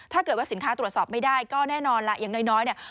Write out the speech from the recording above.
ถ้าเกิดว่าสินค้าตรวจสอบไม่ได้ก็แน่นอนล่ะอย่างน้อยเนี่ย